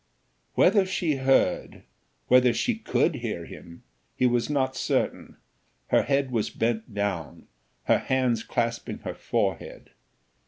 Whether she heard, whether she could hear him, he was not certain, her head was bent down, her hands clasping her forehead.